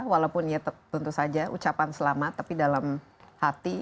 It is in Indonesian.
walaupun ya tentu saja ucapan selamat tapi dalam hati